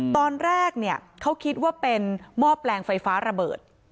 ตอนแรกเขาคิดว่าเป็นมอบแรงไฟฟ้าระเบิด